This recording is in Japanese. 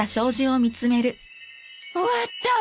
終わったわ！